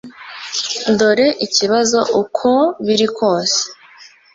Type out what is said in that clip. Dore ikibazo uko biri kose